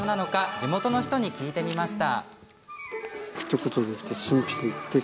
地元の人に聞いてみました。